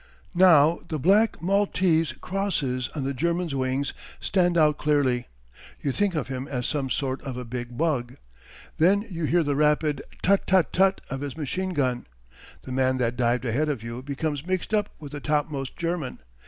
Now the black Maltese crosses on the German's wings stand out clearly. You think of him as some sort of a big bug. Then you hear the rapid tut tut tut of his machine gun. The man that dived ahead of you becomes mixed up with the topmost German.